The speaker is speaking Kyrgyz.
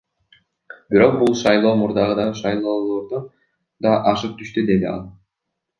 Бирок бул шайлоо мурдагы шайлоолордон да ашып түштү, — деди ал.